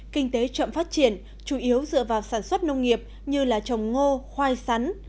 kinh tế chậm phát triển chủ yếu dựa vào sản xuất nông nghiệp như là trồng ngô khoai sắn